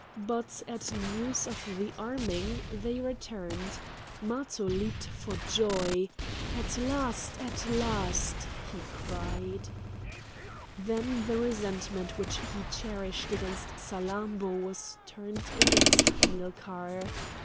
But at news of the arming they returned; Matho leaped for joy. "At last! at last!" he cried. Then the resentment which he cherished against Salammbô was turned against Hamilcar.